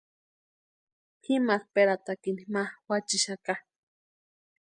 Pʼimarhperatakini ma juachixaka.